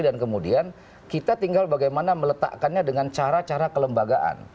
dan kemudian kita tinggal bagaimana meletakkannya dengan cara cara kelembagaan